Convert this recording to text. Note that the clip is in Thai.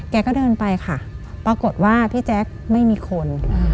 แกก็เดินไปค่ะปรากฏว่าพี่แจ๊คไม่มีคน